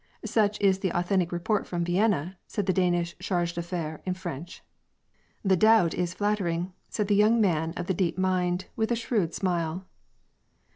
Such is the authentic report from Vienna," said the Danish charge d'af faires, in French. "The doubt is flattering," said the young man of the deep mind, with a shrewd smile.